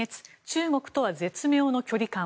中国とは絶妙の距離感。